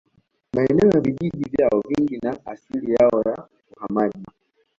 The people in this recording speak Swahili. Maeneo ya vijiji vyao vingi na asili yao ya uhamaji